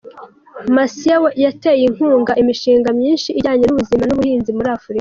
Masiyiwa yateye inkunga imishinga myinshi ijyanye n’ubuzima n’ubuhinzi muri Afurika.